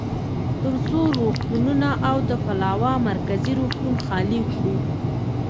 ترڅو روغتونونه او د پلاوا مرکزي روغتون خالي کړو.